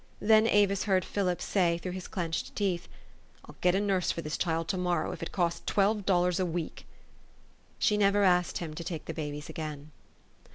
Then Avis heard Philip say through his clinched teeth, " ril get a nurse for this child to morrow, if it costs twelve dollars a week." She never asked him to take the babies again.